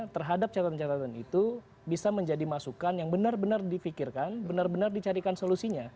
terhadap catatan catatan itu bisa menjadi masukan yang benar benar di pikirkan benar benar di carikan solusinya